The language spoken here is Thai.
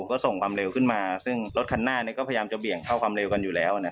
ก็ส่งความเร็วขึ้นมาซึ่งรถคันหน้าก็พยายามจะเบี่ยงเข้าความเร็วกันอยู่แล้ว